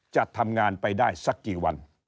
จะทำงานไปได้สักกี่วัน